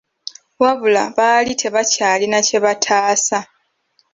Wabula, baali tebakyalina kye bataasa!